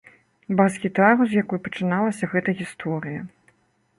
Бас-гітару, з якой пачыналася гэтая гісторыя.